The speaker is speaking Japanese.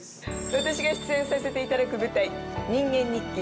私が出演させていただく舞台『にんげん日記』。